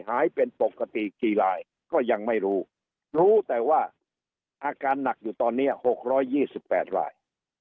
หายเป็นปกติกี่รายก็ยังไม่รู้รู้รู้แต่ว่าอาการหนักอยู่ตอนนี้๖๒๘ราย